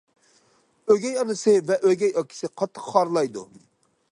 ئۆگەي ئانىسى ۋە ئۆگەي ئاكىسى قاتتىق خارلايدۇ.